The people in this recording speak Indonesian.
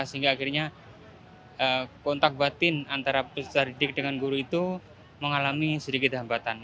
sehingga akhirnya kontak batin antara peserta didik dengan guru itu mengalami sedikit hambatan